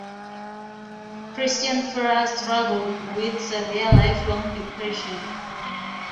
Christian Ferras struggled with severe lifelong depression.